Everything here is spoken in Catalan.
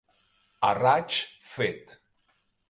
A raig fet.